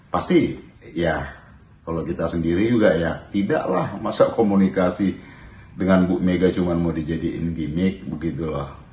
pasti ya kalau kita sendiri juga ya tidaklah masa komunikasi dengan bu mega cuma mau dijadiin gimmick begitu lah